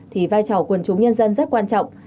thì vai trò quần chúng nhân dân rất quan trọng